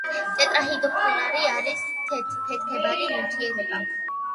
ტეტრაჰიდროფურანი არის ფეთქებადი ნივთიერება.